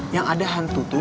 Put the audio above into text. yang ada hantu tuh